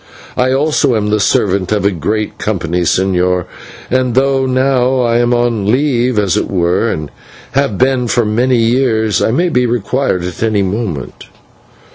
I also am the servant of a great company, señor, and though now I am on leave, as it were, and have been for these many years, I may be required at any moment."